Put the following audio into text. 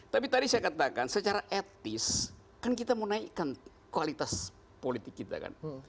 tapi tadi saya katakan secara etis kan kita mau naikkan kualitas politik kita kan